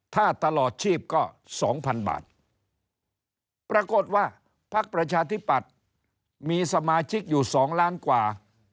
ถ้าตลอดชีพก็๒๐๐๐บาทปรากฏว่าพักประชาธิปัตย์มีสมาชิกอยู่๒ล้านกว่า